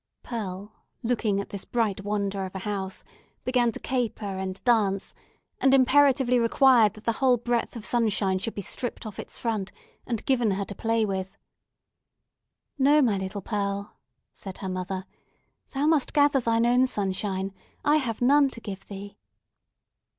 Pearl, looking at this bright wonder of a house began to caper and dance, and imperatively required that the whole breadth of sunshine should be stripped off its front, and given her to play with. "No, my little Pearl!" said her mother; "thou must gather thine own sunshine. I have none to give thee!"